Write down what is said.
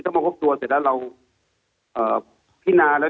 ถ้ามาพบตัวแต่เมื่อเราพินาแล้ว